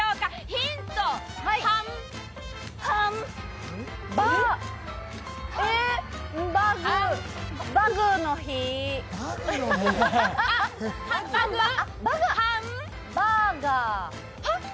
ヒントはハンバグの日あ、バーガー？